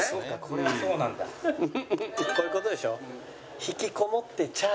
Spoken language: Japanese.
こういう事でしょ？